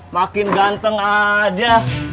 makin ganteng aja